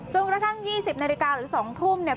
กระทั่ง๒๐นาฬิกาหรือ๒ทุ่มเนี่ย